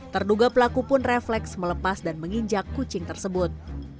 terduga pelaku pun refleks melepas dan menginjak kucing tersebut